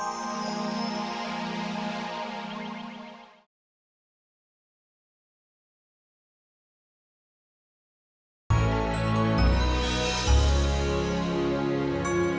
dia tahu aku tak mungkin bisa menyakiti bundaku sendiri